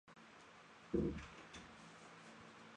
加量斯河岸站是码头区轻便铁路最东端的车站。